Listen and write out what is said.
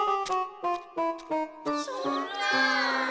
そんな。